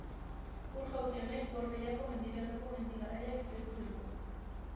Ur-jauzi honek Gorbeiako mendilerroko mendi garaiak gertu ditu.